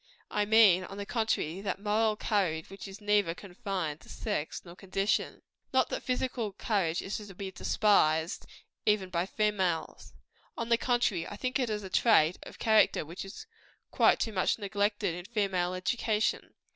I mean, on the contrary, that moral courage which is neither confined to sex nor condition. Not that physical courage is to be despised, even by females. On the contrary, I think it is a trait of character which is quite too much neglected in female education.